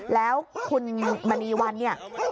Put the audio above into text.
แล้วคุณมณีวันเนี่ย